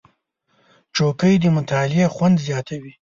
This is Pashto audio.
چوکۍ د مطالعې خوند زیاتوي.